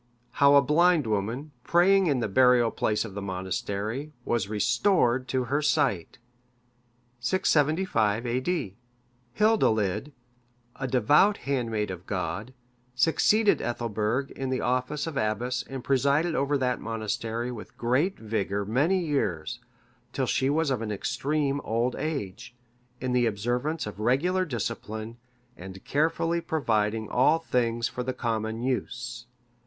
How a blind woman, praying in the burial place of that monastery, was restored to her sight. [675 A.D.?] Hildilid, a devout handmaid of God, succeeded Ethelburg in the office of abbess and presided over that monastery with great vigour many years, till she was of an extreme old age,(585) in the observance of regular discipline, and carefully providing all things for the common use.